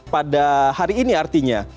pada hari ini artinya